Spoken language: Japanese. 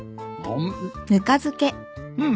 うん。